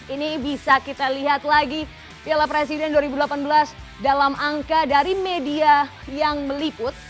ini bisa kita lihat lagi piala presiden dua ribu delapan belas dalam angka dari media yang meliput